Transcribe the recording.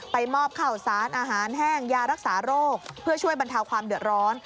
มอบข่าวสารอาหารแห้งยารักษาโรคเพื่อช่วยบรรเทาความเดือดร้อน